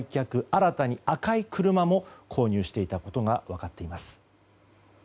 新たに赤い車も購入していたことが分かっています。